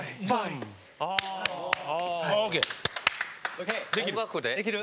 ＯＫできる。